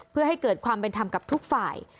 เพื่อให้เกิดความเป็นธรรมกับทุกฝ่าย